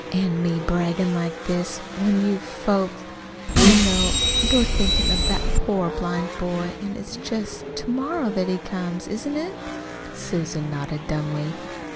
"An' me braggin' like this, when you folks ! I know you're thinkin' of that poor blind boy. An' it's just to morrow that he comes, isn't it?" Susan nodded dumbly.